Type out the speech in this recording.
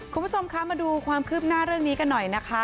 คุณผู้ชมคะมาดูความคืบหน้าเรื่องนี้กันหน่อยนะคะ